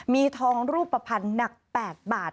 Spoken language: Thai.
มีทองรูปภัณฑ์หนัก๘บาท